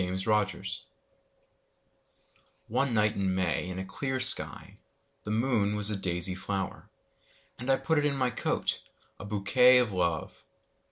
My Flower ONE night in May in a clear skyThe moon was a daisy flower:And! put it in my coat,A bouquet of Love!